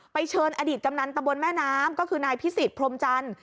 เชิญอดีตกำนันตะบนแม่น้ำก็คือนายพิสิทธิพรมจันทร์